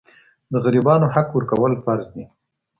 د غريبانو حق ورکول فرض دي.